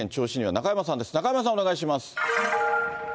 中山さん、お願いします。